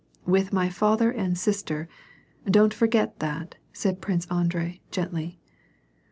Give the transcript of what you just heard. " With my father and sister, don't forget that," said Prince Andrei, gently.